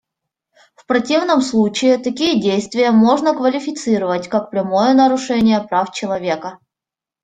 В противном случае, такие действия можно квалифицировать как прямое нарушение прав человека.